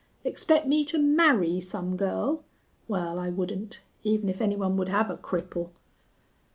"Expect me to marry some girl? Well, I wouldn't, even if any one would have a cripple."